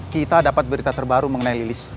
kita dapat berita terbaru mengenai lilis